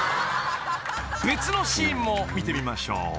［別のシーンも見てみましょう］